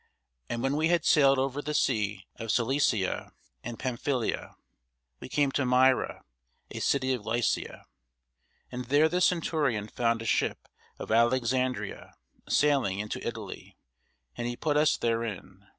And when we had sailed over the sea of Cilicia and Pamphylia, we came to Myra, a city of Lycia. And there the centurion found a ship of Alexandria sailing into Italy; and he put us therein.